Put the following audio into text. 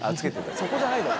そこじゃないだろ。